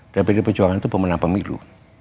dan pdi perjuangan itu pemenang pemilu